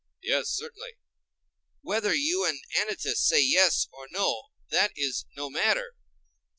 Yes, certainly. Whether you and Anytus say yes or no, that is no matter.